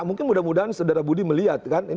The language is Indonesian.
mungkin mudah mudahan saudara budi melihat kan